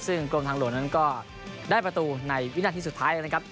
ซึ่งกรมทางหลวงนั้นก็ได้ประตูในวินาทีสุดท้ายนะครับ